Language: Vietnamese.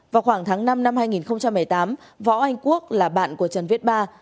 vào khoảng tháng năm năm hai nghìn một mươi tám võ anh quốc là bạn của trần viết ba